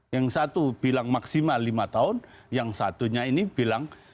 yang satu bilang maksimal lima tahun yang satunya ini bilang